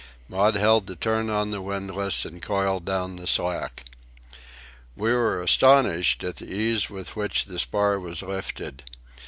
Maud held the turn on the windlass and coiled down the slack. We were astonished at the ease with which the spar was lifted.